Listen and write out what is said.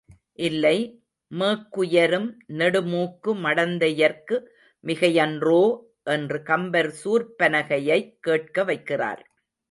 இல்லை, மேக்குயரும் நெடுமூக்கு மடந்தையர்க்கு மிகையன்றோ? என்று கம்பர் சூர்ப்பனகையைக் கேட்க வைக்கிறார்.